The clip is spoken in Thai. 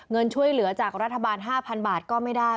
เงินช่วยเหลือจากรัฐบาล๕๐๐๐บาทก็ไม่ได้